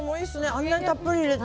あんなにたっぷり入れて。